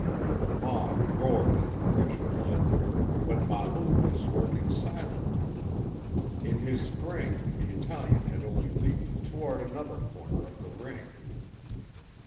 The mob roared at the fresh blood, but Mahmout was working silently. In his spring the Italian had only leaped toward another corner of the ring.